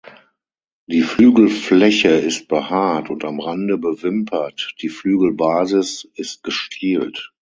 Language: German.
Die Flügelfläche ist behaart und am Rande bewimpert, die Flügelbasis ist gestielt.